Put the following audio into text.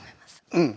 うん。